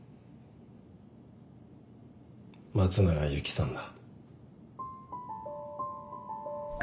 松永由貴さんだ。